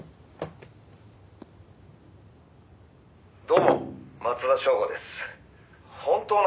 「どうも松田省吾です」